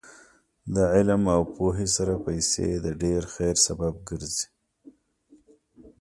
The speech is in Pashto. د علم او پوهې سره پیسې د ډېر خیر سبب ګرځي.